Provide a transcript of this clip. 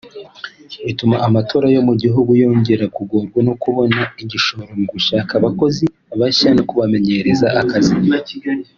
bituma amato yo mu gihugu yongera kugorwa no kubona igishoro mu gushaka abakozi bashya no kubamenyereza akazi